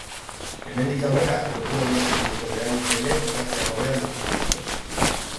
Hemendik aurrera, kontua egiaztatu duten erabiltzaileek kokatzea hobea lortuko dute.